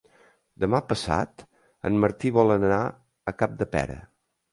Demà passat en Martí vol anar a Capdepera.